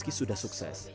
dan juga sukses